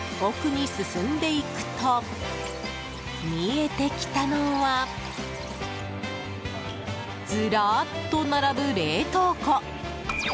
奥に進んでいくと見えてきたのはズラッと並ぶ冷凍庫。